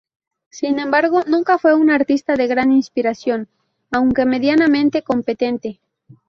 Sin embargo, nunca fue un artista de gran inspiración, aunque medianamente competente.